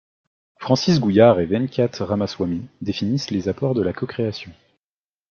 Francis Gouillart et Venkat Ramaswamy définissent les apports de la cocréation.